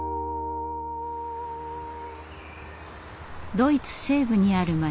ドイツ西部にある町